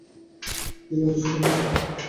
তিনি অবিচল থেকেছেন।